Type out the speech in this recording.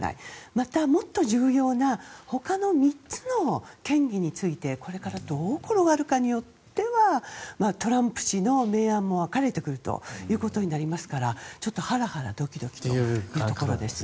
またもっと重要なほかの３つの嫌疑についてこれからどう転がるかによってはトランプ氏の明暗も分かれてくるということになりますからちょっとハラハラドキドキというところです。